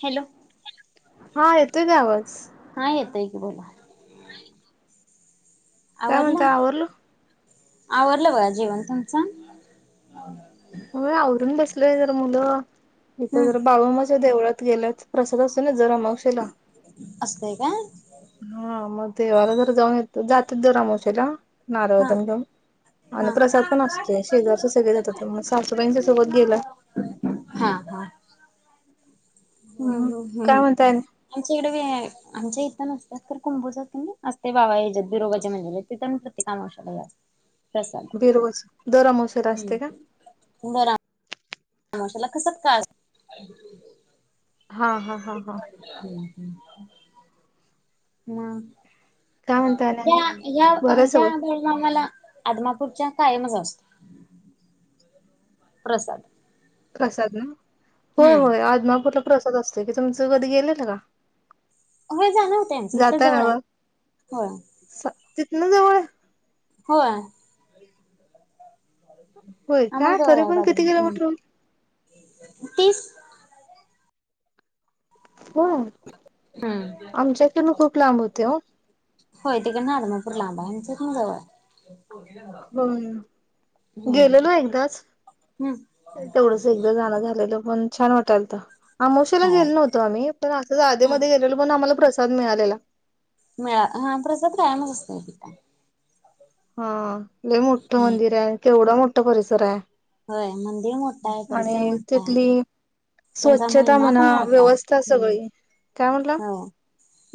Hello हा येतोय काय आवाज हा येतय की बोला काय आवरलं म्हणताय आवरल आवरलं बघा जेवण तुमचं होय आवरून बसलोय जरा मुलं इथं हम्म जरा बाळूमामाच्या देवळात गेल्यात, प्रसाद अस त ना जर अमावशेला असतय का हा मग देवाला जर जाऊन येतो जाते दरअमावशेला नारळ हा तेन घेऊन आणि हा प्रसाद पण असतोय शेजारचे सगळे जातात मग सासूबाईंच्या सोबत गेला हा मग हम्म् हम् काय म्हणताय आणि आमच्या इकडे बी आय आमच्या इथ नस एक तर कुंभोजात पण असतय बाबाज बिरोबाजे मंदिरात तिथ मी प्रत्येक आमाशेला जाते बिरोबाच दर अमावशेला असते का हम्म दर अमावशेला कस का हा हा हा हा मग? काय म्हणताय आणि आणि ह्या ह्या बरं आहे ह्या सगळं वेळेला मला अदमा पुढच्या कायमच असतो प्रसाद प्रसाद ना होय हम्म होय आदमपूरला प्रसाद असतो की तुमचं कधी गेलेल का होय जाण होतय आमच इथ जाताय जवळ हाय होय तितन जवळय हो होय का आम्हाला जवळ तरी आहे पण किती बाजूला किलोमीटर होत तीस हो हम्म आमच्याकन खूप लांब होते हो होय तिकड हधर्मापूर लांबा यांचच नाजवळ बम गेल हम्म ना एकदाच हम्म तेवढंच एकदा जाणं झालेल पण छान वाटाल तर आमवशला होय गेलं नव्हतं आम्ही पण असं हा जाधेमध्ये गेलेलो पण आम्हाला प्रसाद मिळालेला मळा हा प्रसाद प्राम असस्त तिट हा मोठं मंदिर आहे केवढा मोठा परिसर आहे होय मंदिर मोठा आहे परिसर आणि मोठा आहे तिथली त्यांचा स्वच्छता महिमा म्हणा पण होता् व्यवस्था सगळी काय म्हटला हो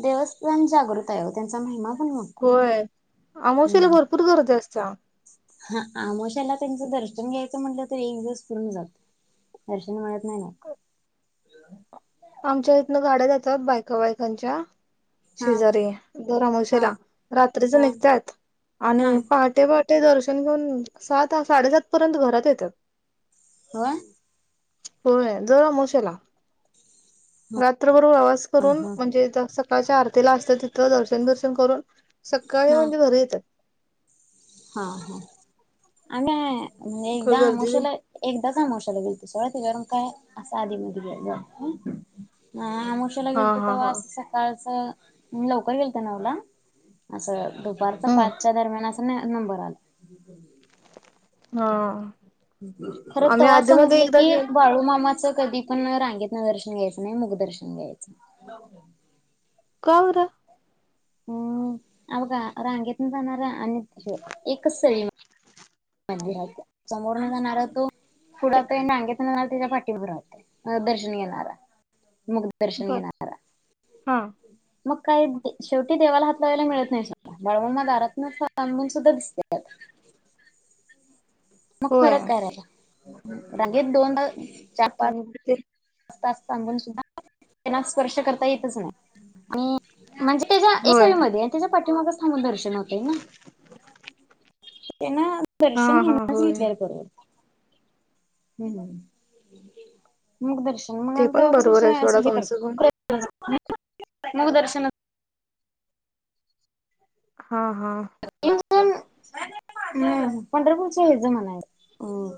देवस्थान जागृत आहे त्यांचा महिमा पण मोठा होय आहे आमावश्याला हम्म भरपूर गरज असते हा आमशाला त्यांच दर्शन घ्यायचं म्हटलं तर एक दिवस पुरून जात दर्शन मित नाही नक आमच्या इथन गाड्या जातात बायक बायकांच्या हा शेजारी हा दरमावशेला रात्रीच हा निघतत हा आणि पहाटे पट ते दर्शन घेऊन सात साडेसात पर्यंत घरात येतात होय हो जरा मोशेला हा रात्र बरोबर आवास करून हा म्हणजे ज सकाळच्या आरती ला असते तिथं दर्शन दर्शन करून सकाळी हा म्हणजे घरी येतात हा हा आम म्हणजे एकदा गर्दी मशाला एकदाचा मशला गिलतो सोळा ते गरम काय अस आधी म आमोशला हा गेल तर हा तेव्हा हा अस सकाळ लवकर गेल नाला असं दुपारच्या हम्म पाचच्या दरम्यान नबराल हा खरं आम्ही तेव्हा आधी मध्ये समजलं एकदा की गे बाळू मामा अस कधी पण रांगेत ना दर्शन घ्यायचं नाही मुगदर्शन घ्यायचं का होरा हम्म अ बघा रांगेत ना जाणार अन एकच सई मंदिरात समोर न जाणार तो पुढ त नाग्याेत जाणार त्याच्या पाठीबरा होते दर्शन घणारा मग दर्शन बर येणारा हा मग काही शेवटी देवाला हात लावायला मिळत नाही सु बाळवमा दारातम ांबून सुद्धा दिसते [unintelligible] मग होय फरक करायलाग दोनदा त ते सांगून सुद्धाना स्पर्श करता येतच नाही आणि म्हणजे त्याच्या एक होय सवी मध्ये त्याच्या पाठीमागच थांबून दर्शन होतय ना [unintelligible] त्यांना हा दर्शन हा हेणच होय घेतल्यालं बरोबर हम् मग दर्श शन ते मगंत पण बरोबर आहे सोडा हे तुमचं पण करत मग दर्शन हा हा ह पंढरपूरचे हे जमान आहे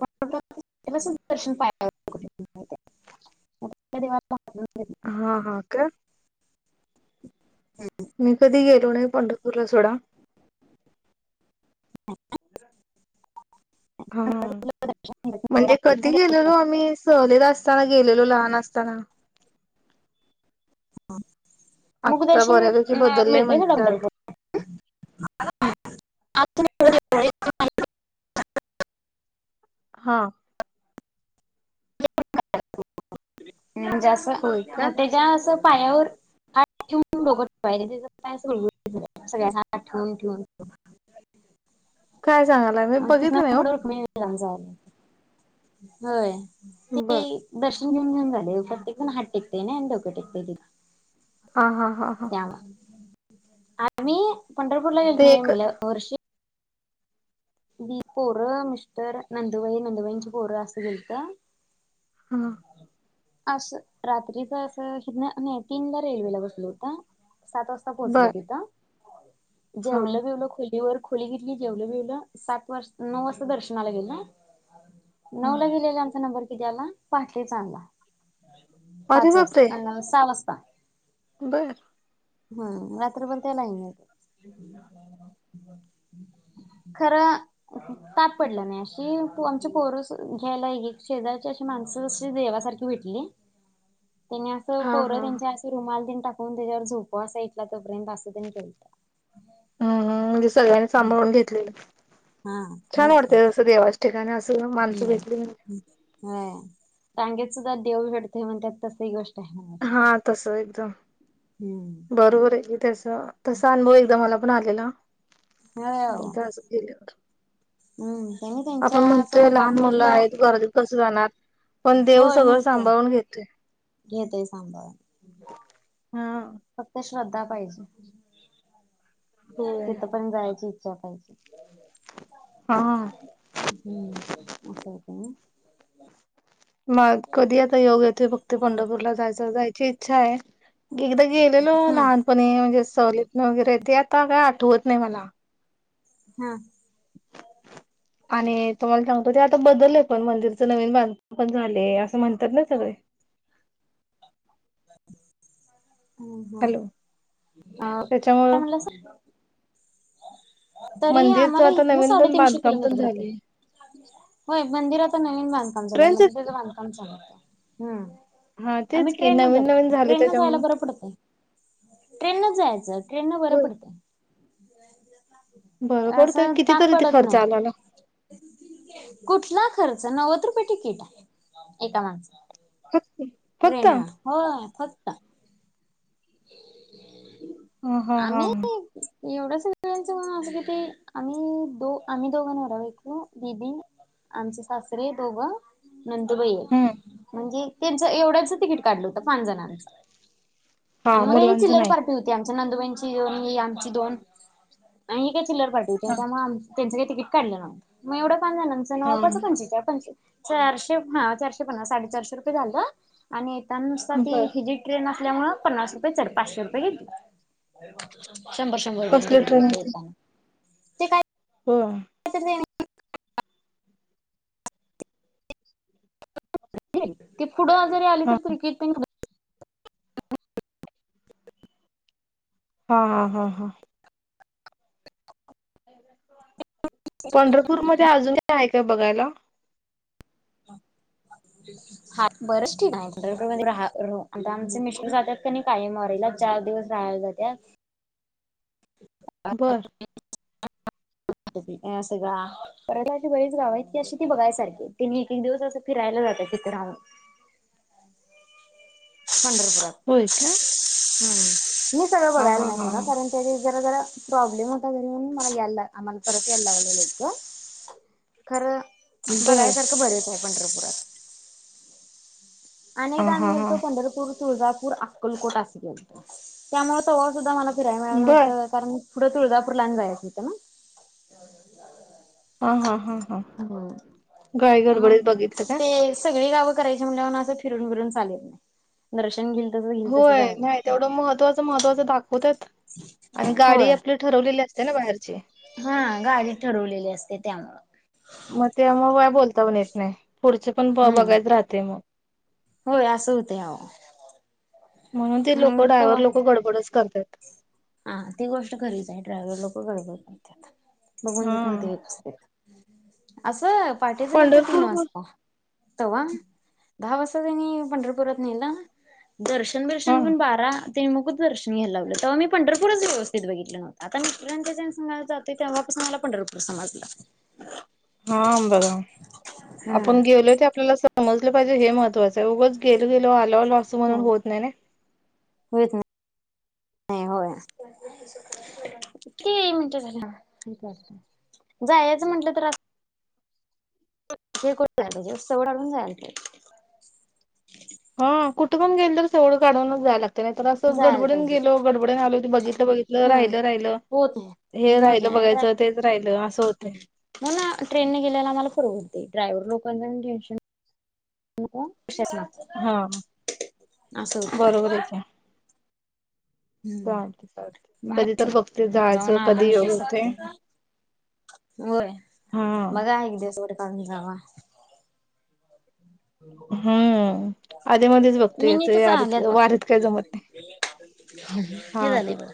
पंपूर तेव्हा सुद्ध दर्शन पा कुठ वा हा हा का मी कधी गेलो नाही पंढरपूरला सोडा हा म्हणजे कधी गेलेलो आम्ही सहलीला असताना गेलेलो लहान असता चला [unintelligible] आत्ता मुखदर्शन बऱ्यापैकी अ बदललय मिळतेय का म्हणतात. पंढरपूरला [unintelligible] हा म्हणजे असं होय का? न त्याच्या असं पायावर हात ठेवून बोघत [unintelligible] पाय त्याज पाय अस गुळगुळीत सगळ्यांना अस हात ठेवून ठेवून काय सांगलाय मी मग तिथनं बघितलं नाही हो पुढं रुक्मिणी विराम झाले होय बर येऊन येऊन झाले ते प्रत्येक जण हात टेकतेय अन डोक टेकतय तिथे हा-हा-हा-हा आम्ही पंढरपूरला गेलत ते का नाय एक मागल्या वर्षी मी, पोरं, मिस्टर, नंदुबाई, नंदुबाईची पोरं असं गेलत. हा असं रात्रीच अस हि नाही तीनला रेल्वेला बसल होत. सात वाजता पोहोचले बर तिथं हा जेवला बीवलं खोलीवर खोली घेतली जेवल बीवल सात वाजता नऊ वाजता दर्शनाला गेल ना हा नऊला गेलेला आमचा नंबर याला पहाटेच आला अरे पाच बापरे वाजता सहा वाजता बर हम्म रात्रभर त्या लायनीत खर ताप पडलं नाही अशी तू आमची पोरस घ्यायला ही शेजारची अशी माणसं जशी देवासारखी भेटली. [inaudible] त्यांनी असं हा पोरं हा त्यांच्या असं रुमाल दिन टाकून त्याच्यावर झोपं असा प्रेम पासून ते केलत हम्म हम्म म्हणजे सगळ्यांनी सांभाळून घेतलेलं. छान वाटतेयसं देवाच ठिकाणी अस हम्म ह रांगेत सुद्धा देव रडते म्हणतात तस ही गोष्ट आहे म्हणायची. हा तस एकदम हम्म बरोबर आहे तस तस अनुभव एकदा मला आलेला हो एकदा अस गेल्यावर हम्म त्यांनी त्यांच्या आपण म्हणतोय असं लहान मुलं बाटलीतलं आहेत घरात कस जाणार पण देव होय सगळं म्हणतय सांभाळून घेतोय घेतय सांभाळून हा फक्त श्रद्धा पाहिजे होय. तिथ पण जायची इच्छा पाहिजे. हा हम्म अस होतंय होय [unintelligible] मग कधी आता योग येतो बघाते हम्म पंढरपूरला जायचा जायची इच्छा आहे. एकदा गेलेलो लहानपणी म्हणजे सहलीतन वगैरे ते आता काय आठवत नाही मला हा आणि तुम्हाला सांगतो ते आता बदलले पण मंदिरच नवीन बांधकाम पण झाले असं म्हणतात ना सगळे [inaudible] ह-ह हॅलो अ काय त्याच्यामुळं म्हणलासा तरी मंदिरचं आम्हाला आता इथन नवीन पण साडेतीनशे बांधकाम पण किलोमीटर पडतेय. झाले. होय मंदिरात नवीन बांधकाम झालंय ट्रेनच म्हणजे त्याचं बांधकाम चालूय हा आता आम्ही तेच की ट्रेन न नवीन जातो नवीन झाले ट्रेन न जायला त्याच्यामुळे बरं पडतय. ट्रेन न जायचं ट्रेन न बरं होय. पडतंय बरं पडतय असं ताप कितीतरी ते पडत खर्च आला ना नाय कुठला खर्च नव्वद रुपये तिकीट एका माणस फक्त फक्त ट्रेनना होय फक्त ह [inaudible] ह ह ह एवढं सगळ्यांचं असं किती आम्ही दो आम्ही दोघ नवरा बायको दीदी आमचे सासरे दोघं नंदूबई एक. हम्म म्हणजे त्यांच एवढ्याच तिकीट काढलं होतं पाच जणांच. हा आणि मग ही मुलांचं चिल्लर नाही पार्टी होती. आमच्या नंदुबाईची दोन आमची दोन आणि चिलर पार्टी होती, हा त्यामुळे आम त्यांचं काही तिकीट काढलं नव्हतं. मग एवढं पाच जणांच हा नवापाचा पंचेचाळ पंचेचाळ चारशे हा चारशे पन्नास साडे चारशे रुपये झालं. आणि त्या नुसता ती बर हिजी ट्रेन असल्यामुळ पन्नास रुपये चड, पाचशे रुपये गेलीत. शंभर शंभर रुपयाच कसली तिकीट ट्रेन घेतलं होती येताना. ते काय हो [unintelligible] ते पुढं जरी आली हा तर त्रिकट हा हा हा हा. पंढरपूर मध्ये अजून काय हाय काय बघायला? हा बरच ठिन हाय पंढरपूर मध्ये रा हा रा आता आमच मिस्टर जात्यात कनी कायम वारीला चार दिवस राहायला जात्यात. बर. [unintelligible] सगळा. परत अशी बरीच गाव हायत की अशी ती बघायसारखी हाइत. तेनि एक एक दिवस असं फिरायला जात्यात तिथं राहून. पंढरपुरात. होय का हम्म मी सगळं हा बघायला हा नाही हा सोडा हा कारण त्या जरा जरा प्रॉब्लेम होता तरी म्हणून मला यायला आम्हाला परत यायला लागलं लवकर. खरं बर बघायसारखं बरेच हाय पंढरपुरात. हा अनेकदा आम्ही हा हा गेलतो पंढरपूर, तुळजापूर, अक्कलकोट असं केलतं, त्यामुळं तवा सुद्धा मला फिरायला मिळालं बर नव्हतं, कारण पुढं तुळजापूरला आणि जायचं होतं ना. हा हा हा हा, हम्म. घाई मग गडबडीत बघितलं का? ते सगळी गाव करायची म्हणल्यावरन अशी फिरून बिरून चालत नाही, दर्शन घे होय, नाही तेवढं महत्त्वाचं महत्वाचं दाखवतात आणि गाडी होय आपली ठरवलेली अस ते ना बाहेरची. हा गाडी ठरवलेली असते त्यामुळं. ता पण येत नाही, पुढचे पण ब हम्म बघायचं राहते मग. होय असं होतंय अहो. म्हणून ते लोकं मग ड्रायव्हर तवा लोकं गडबडच करतात. हा ती गोष्ट खरीच आहे, ड्रायव्हर लोकं गडबड करतात, बघून देत हा. नाहीत व्यवस्थित. असं पहाटेचं गेलतो तीन पंढरपूर वाजता. तवा दहा वाजता त्यांनी पंढरपुरात नेलं. दर्शन हा बिर्शन घेऊन बारा ते मुख दर्शन घ्यायला लावलं, तेव्हा मी पंढरपूरच व्यवस्थित बघितलं नव्हतं, आता मित्रांच्या [unintelligible] संग जातोय तेव्हापासून मला पंढरपूर समजलं. हा बघा, आपण हम्म गेलोय ते आपल्याला समजलं पाहिजे हे महत्त्वाचं त उगच गेलो गेलो आलो आलो असं म्हणून होत नाही ना. होयत नाही, होय. किती मिनटं झालं? जायचं म्हंटलं तर हे [unintelligible] सवड काढून जायला लागतंय. हा कुठं पण गेल तर सवड काढूनच जाया लाग ते नाहीतर असं जायला गडबडून पाहिजे. गेलो गडबडून आलो ते बघितलं बघितलं हम्म राहिलं राहिलं. होत हे राहिलं बघायचं तेच राहिलं अस हम्म, म्हणून ना ट्रेनने गेलेले आम्हाला परवडतंय, ड्रायव्हर लोकांचं पण टेन्शन नको कशाचं हा नको, असं होतंय. बरोबर आहे की चालते हम्म, चालते कधी तर [unintelligible] बघते जाऊन जायचं आलं कधी विषय योग होते सपतय. होय, हा बघा एक दिवस वेळ काढून जावा. हम्म, आधी मध्येच बघते मिनी याचं यारीत वारीत काय जमत नाय. हं हं हे झालंय बघा